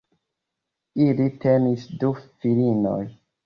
Ili tenis du filinoj.